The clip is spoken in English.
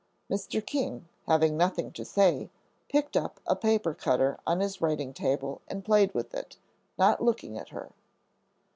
Mr. King, having nothing to say, picked up a paper cutter on his writing table and played with it, not looking at her.